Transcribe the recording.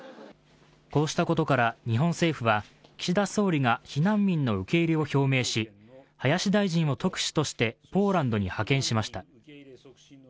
こうしたことから日本政府は、岸田総理が避難民の受け入れを表明し林大臣と特使としてポーランドに派遣しました。